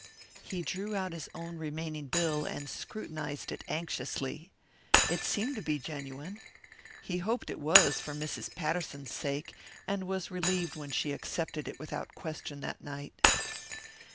He drew out his own remaining bill and scrutinized it anxiously. It seemed to be genuine. He hoped it was, for Mrs. Patterson's sake, and was relieved when she accepted it without question that night.